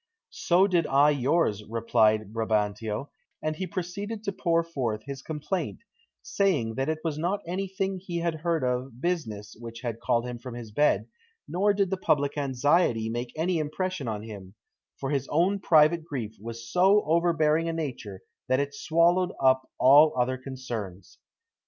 "So did I yours," replied Brabantio; and he proceeded to pour forth his complaint, saying that it was not anything he had heard of business which had called him from his bed, nor did the public anxiety make any impression on him, for his own private grief was of so overbearing a nature that it swallowed up all other concerns.